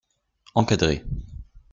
Encadré.